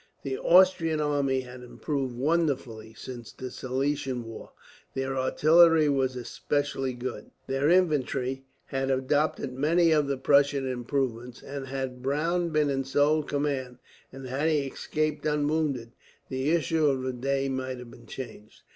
The Austrian army had improved wonderfully, since the Silesian war. Their artillery were specially good, their infantry had adopted many of the Prussian improvements and, had Browne been in sole command, and had he escaped unwounded, the issue of the day might have been changed.